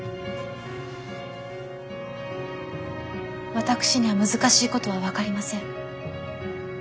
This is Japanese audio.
私には難しいことは分かりません。